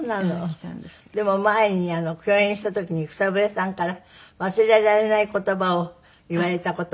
でも前に共演した時に草笛さんから忘れられない言葉を言われた事が？